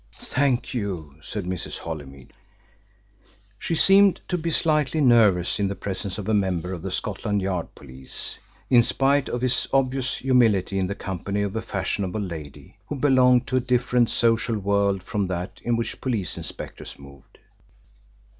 "Thank you," said Mrs. Holymead. She seemed to be slightly nervous in the presence of a member of the Scotland Yard police, in spite of his obvious humility in the company of a fashionable lady who belonged to a different social world from that in which police inspectors moved.